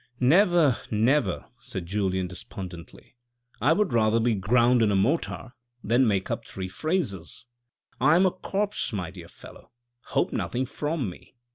"Never, never," said Julien despondently, " I would rather be ground in a mortar than make up three phrases. I am a corpse, my dear fellow, hope nothing from me.